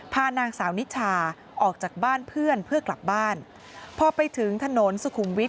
พานางสาวนิชาออกจากบ้านเพื่อนเพื่อกลับบ้านพอไปถึงถนนสุขุมวิทย